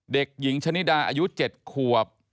เด็กหญิงชะนิดาอายุ๗ขวบ